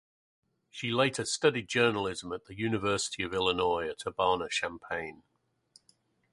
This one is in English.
She later studied journalism at the University of Illinois at Urbana–Champaign.